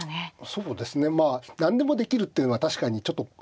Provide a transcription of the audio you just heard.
そうですねまあ何でもできるというのは確かにちょっと脅威ですよね。